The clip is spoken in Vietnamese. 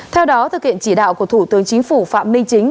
theo đó thực hiện chỉ đạo của thủ tướng chính phủ phạm minh chính